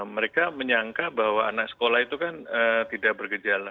mereka menyangka bahwa anak sekolah itu kan tidak bergejala